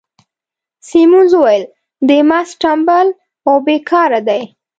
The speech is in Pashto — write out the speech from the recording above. سیمونز وویل: دی محض ټمبل او بې کاره دی.